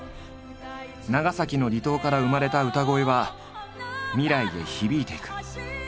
長崎の離島から生まれた歌声は未来へ響いていく。